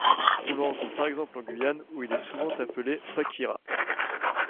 On le rencontre par exemple en Guyane, où il est souvent appelé pakira.